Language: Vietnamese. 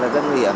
rất nguy hiểm